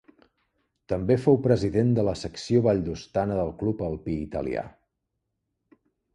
També fou president de la secció valldostana del Club Alpí Italià.